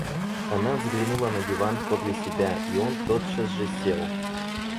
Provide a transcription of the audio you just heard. Она взглянула на диван подле себя, и он тотчас же сел.